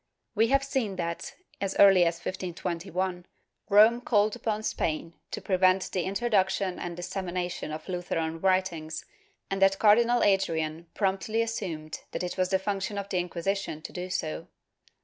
We have seen that, as early as 1521, Rome called upon Spain to prevent the introduction and dissemi nation of Lutheran writings, and that Cardinal Adrian promptly assumed that it was the function of the Inquisition to do so.